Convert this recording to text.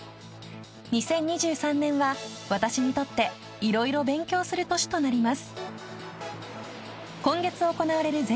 ２０２３年は私にとって、いろいろ勉強する年となります。